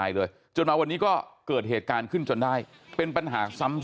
สวยชีวิตทั้งคู่ก็ออกมาไม่ได้อีกเลยครับ